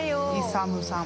勇さん。